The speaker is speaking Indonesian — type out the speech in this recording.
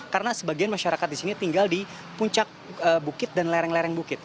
karena sebagian masyarakat di sini tinggal di puncak bukit dan lereng lereng bukit